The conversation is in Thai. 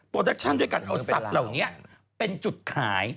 โปรแดคชั่นด้วยกับสัตว์เหล่านี้เป็นจุดขาย